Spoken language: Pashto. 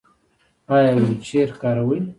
ایا ویلچیر کاروئ؟